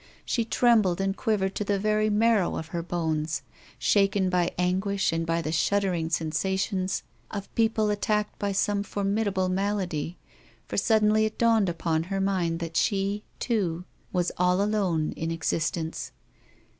She trembled and quivered to the very marrow of her bones, shaken by anguish and by the shuddering sensations of people attacked by some formidable malady; for suddenly it dawned upon her mind that she, too, was all alone in existence.